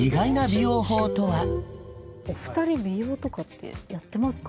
お二人美容とかってやってますか？